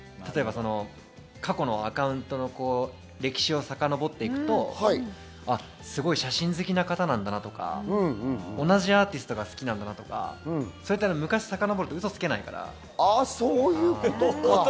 過去のアカウントの歴史をさかのぼっていくと、すごい写真好きな方なんだなとか、同じアーティストが好きなんだなとか、昔をさかのぼると嘘つけないから。